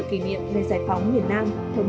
kỷ niệm về giải phóng miền nam thống